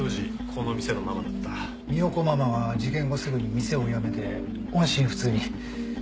三代子ママは事件後すぐに店を辞めて音信不通に。